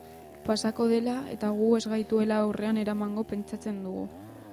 Pasako dela eta gu ez gaituela aurrean eramango pentsatzen dugu.